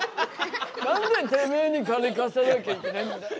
何でてめえに金貸さなきゃいけないんだよ！